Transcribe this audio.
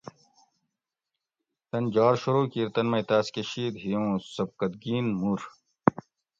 تن جار شروع کیِر تن مئ تاۤس کہۤ شید ہی اوُں سبکتگین مور